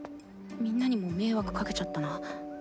みんなにも迷惑かけちゃったな。